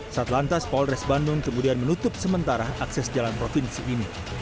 satlantas polres bandung kemudian menutup sementara akses jalan provinsi ini